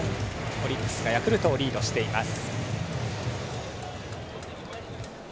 オリックスがヤクルトをリードしています。